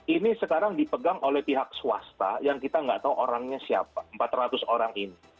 ini sekarang dipegang oleh pihak swasta yang kita nggak tahu orangnya siapa empat ratus orang ini